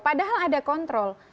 padahal ada kontrol